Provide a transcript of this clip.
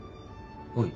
おい。